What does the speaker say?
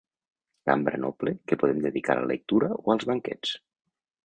Cambra noble que podem dedicar a la lectura o als banquets.